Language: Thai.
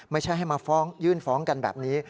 ไม่ใช่ให้มายื่นฟ้องกันแบบนี้